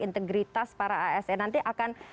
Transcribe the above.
integritas para asn nanti akan